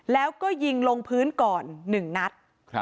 แล้วก็ยิงลงพื้นก่อน๑นัด